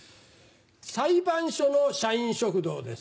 裁判所の社員食堂です。